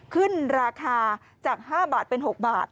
ขึ้นราคาจาก๕บาทเป็น๖บาท